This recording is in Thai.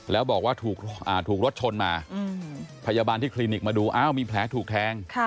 แล้วบอกว่าถูกรถชนมาพยาบาลที่คลินิกมาดูอ้าวมีแผลถูกแทง